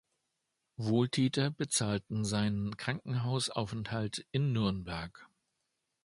Wohltäter bezahlten seinen Krankenhausaufenthalt in Nürnberg.